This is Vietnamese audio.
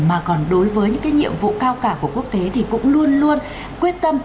mà còn đối với những cái nhiệm vụ cao cả của quốc tế thì cũng luôn luôn quyết tâm